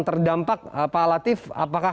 terdampak pak latif apakah